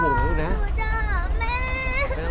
หนูจะหาพ่อหนูจะหาแม่